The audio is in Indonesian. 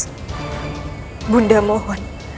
ibu nda mohon